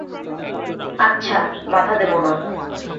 আচ্ছা বাধা দেব না।